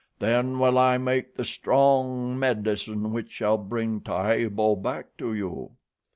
Then will I make the strong medicine which shall bring Tibo back to you.